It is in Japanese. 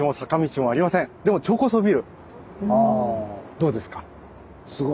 どうですか？